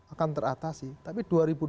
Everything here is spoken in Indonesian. akan teratasi tapi dua ribu dua puluh